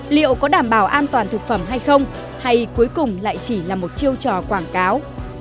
liệu có đảm bảo an toàn thực phẩm hay không hay cuối cùng lại chỉ là một chiêu trò quảng cáo